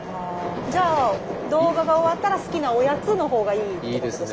じゃあ動画が終わったら好きなおやつの方がいいってことですか？